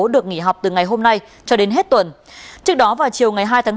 được nghỉ học từ ngày hôm nay cho đến hết tuần